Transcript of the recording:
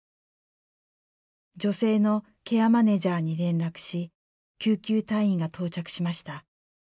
女性のケアマネジャーに連絡し救急隊員が到着しました。